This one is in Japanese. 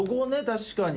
確かに。